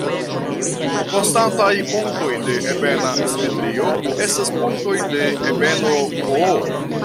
Konstantaj punktoj de ebena simetrio estas punktoj de ebeno "P".